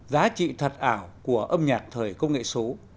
giá trị thật ảo của âm nhạc thời công nghệ số